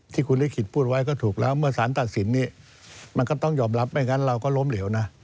ที่คุณลิขิตพูดไว้ก็ถูกแล้วเมื่อสารตัดสินนี้มันก็ต้องยอมรับไม่งั้นเราก็ล้มเหลวนะ